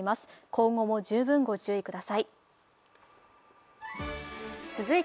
今後も十分、ご注意ください。